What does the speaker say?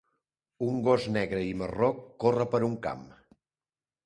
Un gos negre i marró corre per un camp